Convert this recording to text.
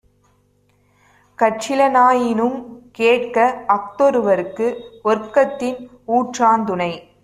கற்றிலனாயினுங் கேட்க அஃதொருவற்கு ஒற்கத்தின் ஊற்றாந்துணை